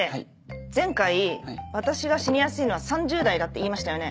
前回私が死にやすいのは３０代だって言いましたよね？